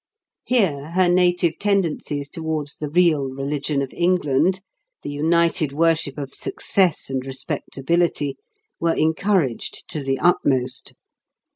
Here, her native tendencies towards the real religion of England, the united worship of Success and Respectability, were encouraged to the utmost.